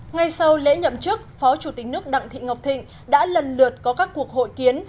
ngay sau lễ nhậm chức phó chủ tịch nước đặng thị ngọc thịnh đã lần lượt có các cuộc hội kiến